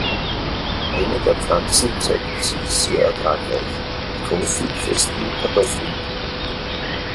Eine der Pflanzen zeigte sich sehr ertragreich, mit großen, festen Kartoffeln.